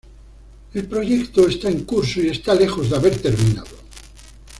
El proyecto está en curso y está lejos de haber terminado.